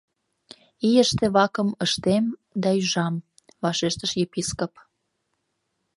— Ийыште вакым ыштем да ӱжам, — вашештыш Епископ.